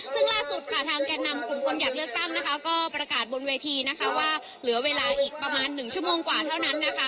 ซึ่งล่าสุดค่ะทางแก่นำกลุ่มคนอยากเลือกตั้งนะคะก็ประกาศบนเวทีนะคะว่าเหลือเวลาอีกประมาณ๑ชั่วโมงกว่าเท่านั้นนะคะ